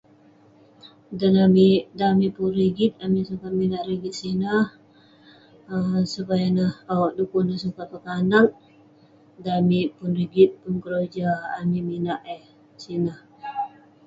Dan amik pun rigit, amik sukat minak rigit sineh..du'kuk neh sukat pekanak, dan amik pun rigit, pun keroja, amik minak eh sineh.